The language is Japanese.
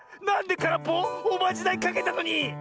なんでからっぽ⁉おまじないかけたのに。